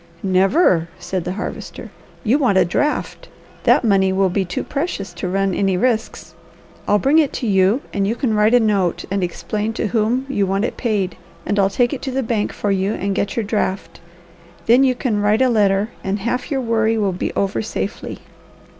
"Never!" said the Harvester. "You want a draft. That money will be too precious to run any risks. I'll bring it to you and you can write a note and explain to whom you want it paid, and I'll take it to the bank for you and get your draft. Then you can write a letter, and half your worry will be over safely."